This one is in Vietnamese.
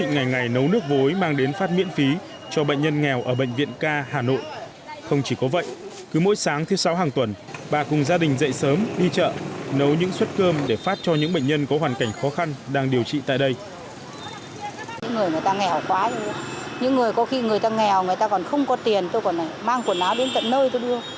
những người người ta nghèo khoái những người có khi người ta nghèo người ta còn không có tiền tôi còn mang quần áo đến tận nơi tôi đưa